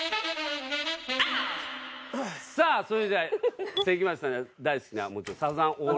さあそれでは関町さんの大好きなサザン。